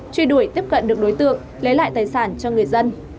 truy đuổi tiếp cận được đối tượng lấy lại tài sản cho người dân